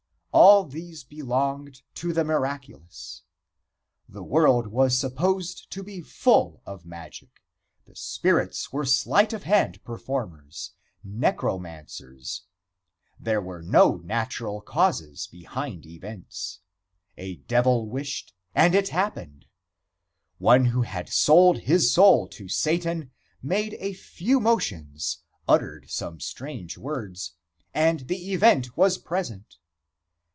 All these belonged to the miraculous. The world was supposed to be full of magic; the spirits were sleight of hand performers necromancers. There were no natural causes behind events. A devil wished, and it happened. One who had sold his soul to Satan made a few motions, uttered some strange words, and the event was present.